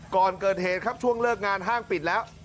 ก่อนเกิดเหตุครับช่วงเลิกงานห้างปิดแล้ว